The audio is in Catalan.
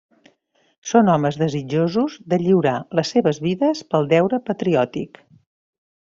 Són homes desitjosos de lliurar les seves vides pel deure patriòtic.